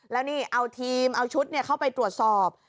แล้วนี่เอาทีมเอาชุดเข้าไปตรวจสอบ